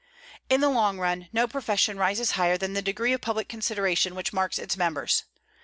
In the long run, no profession rises higher than the degree of public consideration which marks its members.